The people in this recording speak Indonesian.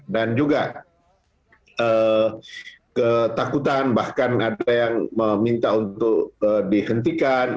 juga ketakutan bahkan ada yang meminta untuk dihentikan